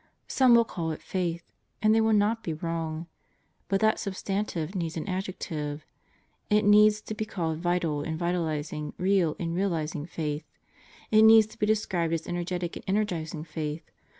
Some will call it Faith. And they will not be wrong. But that substantive needs an adjective. It needs to be called vital and vitalizing, real and realizing Faith. It needs to be described as energetic and energizing Faith.